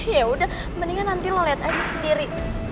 ya udah mendingan nanti lo lihat aja sendiri